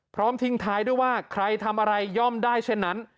พร้อมทิ้งท้ายด้วยว่าใครทำอะไรย่อมได้เช่นนั้น